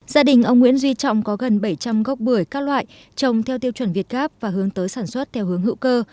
gia đình ông nguyễn duy trọng có gần bảy trăm linh gốc bưởi các loại trồng theo tiêu chuẩn việt gáp và hướng tới sản xuất theo hướng hữu cơ